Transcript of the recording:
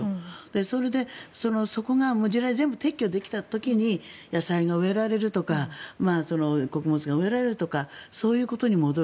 それで地雷を全部撤去できた時に野菜が植えられるとか穀物が植えられるとかそういうことに戻る。